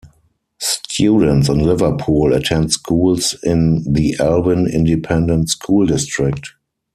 Students in Liverpool attend schools in the Alvin Independent School District.